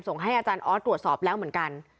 ให้อาจารย์ออสตรวจสอบแล้วเหมือนกัน